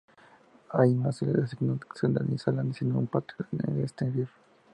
Allí no se le asignó celda ni sala, sino un patio en el exterior.